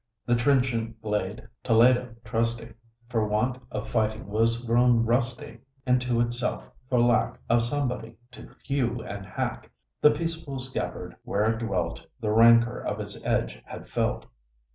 The trenchant blade, Toledo trusty, For want of fighting was grown rusty, And ate into itself, for lack Of somebody to hew and hack. The peaceful scabbard where it dwelt The rancor of its edge had felt....